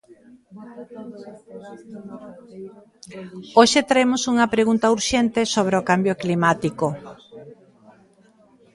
Hoxe traemos unha pregunta urxente sobre o cambio climático.